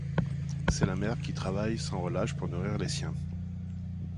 C'est la mère qui travaille sans relâche pour nourrir les siens.